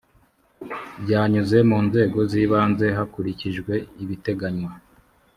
byanyuze mu nzego z’ibanze hakurikijwe ibiteganywa